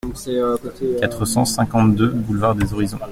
quatre cent cinquante-deux boulevard des Horizons